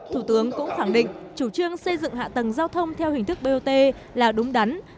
thủ tướng cũng khẳng định chủ trương xây dựng hạ tầng giao thông theo hình thức bot là đúng đắn